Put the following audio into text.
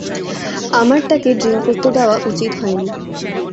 আমার তাকে ড্রিঙ্ক করতে দেওয়া উচিত হয়নি।